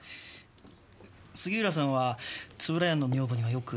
杉浦さんは円谷の女房にはよく？